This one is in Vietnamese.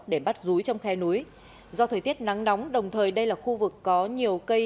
để bắt rúi trong khe núi do thời tiết nắng nóng đồng thời đây là khu vực có nhiều cây